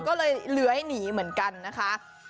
ก็เลยเลื้อยหนีเหมือนกันนะคะ